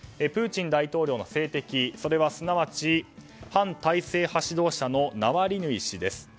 プーチン大統領の政敵それはすなわち反体制派指導者のナワリヌイ氏です。